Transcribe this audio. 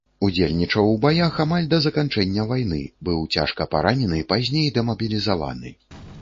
Удзельнічаў у баях амаль да заканчэння вайны, быў цяжка паранены, пазней дэмабілізаваны.